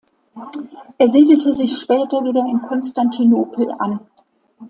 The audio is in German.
Er siedelte sich später wieder in Konstantinopel an.